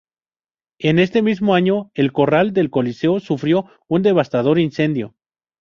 En este mismo año el Corral del Coliseo sufrió un devastador incendio.